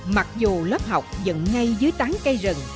mặc dù lớp học dựng ngay dưới tán cây rừng